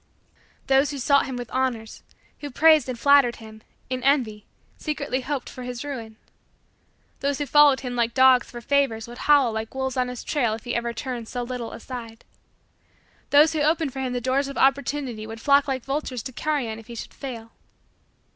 Those who sought him with honors who praised and flattered him, in envy, secretly hoped for his ruin. Those who followed him like dogs for favors would howl like wolves on his trail if he turned ever so little aside. Those who opened for him the doors of opportunities would flock like vultures to carrion if he should fall.